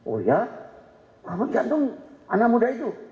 oh ya kamu gantung anak muda itu